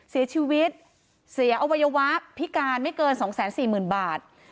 เสียชีวิตเสียอวัยวะพิการไม่เกิน๒๔๐๐๐บาท